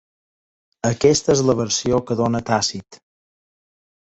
Aquesta és la versió que dóna Tàcit.